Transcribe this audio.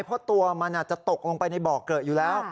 เพราะตัวมันจะตกลงไปในบ่อเกลอะอยู่แล้ว